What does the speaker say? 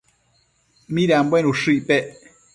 midanbuen ushë icpec?